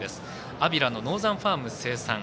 安平のノーザンファーム生産。